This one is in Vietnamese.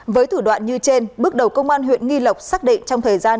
với thủ đoạn như trên bước đầu công an huyện nghi lộc xác định trong thời gian